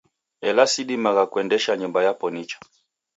Ela sidimagha kuendesha nyumba yapo nicha.